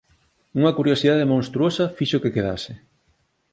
Unha curiosidade monstruosa fixo que quedase: